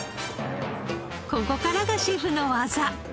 ここからがシェフの技！